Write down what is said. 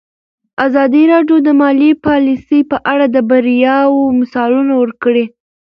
ازادي راډیو د مالي پالیسي په اړه د بریاوو مثالونه ورکړي.